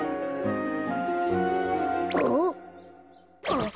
あっ？